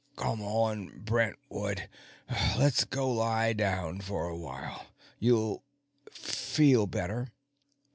"Come on, Brentwood; let's go lie down for a while. You'll feel better."